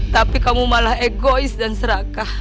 tapi kamu malah egois dan serakah